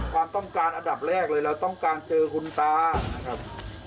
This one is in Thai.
ความต้องการอันดับแรกเลยเราต้องการเจอคุณตานะครับ